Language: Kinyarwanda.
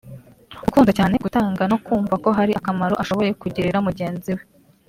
ukunda cyane gutanga no kumva ko hari akamaro ashoboye kugirira mugenzi we